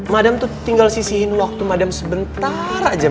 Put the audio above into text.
madem tuh tinggal sisihin waktu madem sebentar aja